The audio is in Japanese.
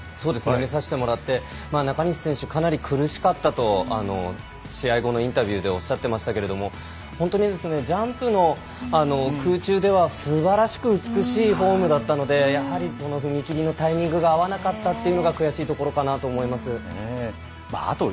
見させてもらって中西選手かなり苦しかったと試合後のインタビューでおっしゃってましたけれども本当にジャンプの空中ではすばらしく美しいフォームだったのでやはり、この踏み切りのタイミングが合わなかったというのが悔しいところかなと思います。